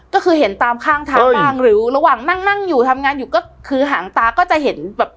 ก็คือเห็นตามข้างทางบ้างหรือระหว่างนั่งนั่งอยู่ทำงานอยู่ก็คือหางตาก็จะเห็นแบบ